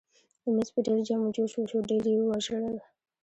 لمونځ په ډېر جم و جوش وشو ډېر یې وژړل.